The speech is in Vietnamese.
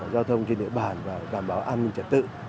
giao thông kinh địa bản và đảm bảo an ninh trật tự